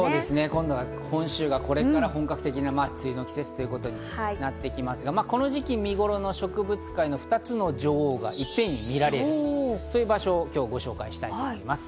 今週、これから本格的な梅雨の季節ということになりますが、この時期、見頃の植物界の２つの女王がいっぺんに見られる、そういう場所を今日はご紹介したいと思います。